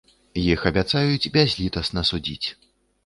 Іх абяцаюць бязлітасна судзіць.